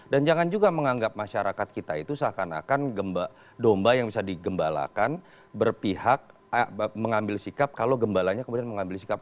dan jangan juga menganggap masyarakat kita itu seakan akan domba yang bisa digembalakan berpihak mengambil sikap kalau gembalanya kemudian mengambil sikap